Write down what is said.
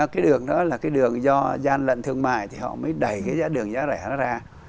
cái đường đó là cái đường do gian lận thương mại thì họ mới đẩy cái giá đường giá rẻ nó ra